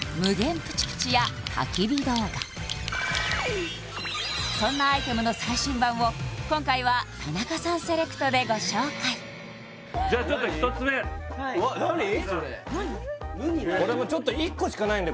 プチプチや焚き火動画そんなアイテムの最新版を今回は田中さんセレクトでご紹介じゃちょっと１つ目わっ何それ？